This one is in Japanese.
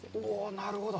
なるほど。